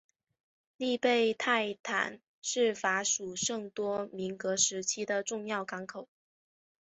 利贝泰堡是法属圣多明戈时期的重要港口。